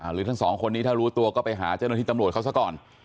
หรือทั้งสองคนนี้ถ้ารู้ตัวก็ไปหาเจ้าหน้าที่ตำรวจเขาซะก่อน